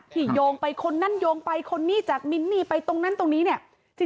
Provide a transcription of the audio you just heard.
โยงไปคนนั้นโยงไปคนนี้จากมินนี่ไปตรงนั้นตรงนี้เนี่ย